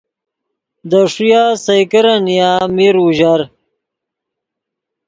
دے ݰویہ سئے کرن نیا میر اوژر